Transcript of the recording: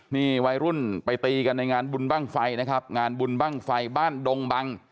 นี่วัยรุ่นไปตีกันในงานบุญบ้างไฟนะครับงานบุญบ้างไฟบ้านดงบัง